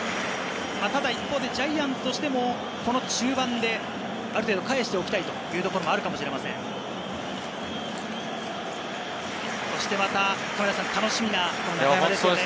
ただ一方でジャイアンツとしてもこの中盤である程度返しておきたいというところもあるかもしれませんね。